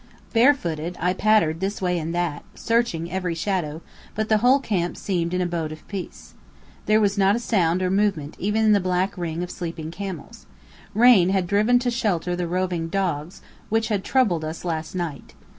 Barefooted, I pattered this way and that, searching every shadow, but the whole camp seemed an abode of peace. There was not a sound or movement even in the black ring of sleeping camels. Rain had driven to shelter the roving dogs which had troubled us last night.